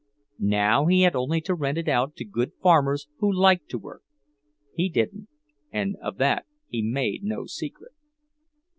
Now he had only to rent it out to good farmers who liked to work he didn't, and of that he made no secret.